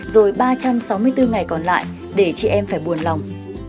rồi ba trăm sáu mươi bốn ngày còn lại để chị em phải buồn lòng